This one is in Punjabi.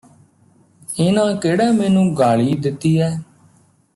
ਇਹਨਾਂ ਕਿਹੜੈ ਮੈਨੂੰ ਗਾਲੀ ਦਿੱਤੀ ਐ